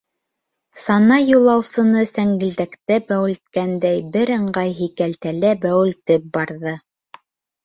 Сана юлаусыны сәңгелдәктә бәүелткәндәй бер ыңғай һикәлтәлә бәүелтеп барҙы.